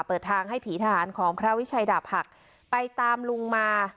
เปิดทางให้ผีทหารของพระวิชัยดาบหักไปตามลุงมา